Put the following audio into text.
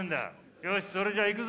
よしそれじゃいくぞ！